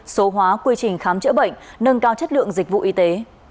số hóa quy trình khám chữa bệnh nâng cao chất lượng dịch vụ y tế